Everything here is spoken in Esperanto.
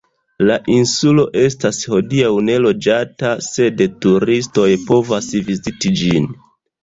La insulo estas hodiaŭ neloĝata, sed turistoj povas viziti ĝin.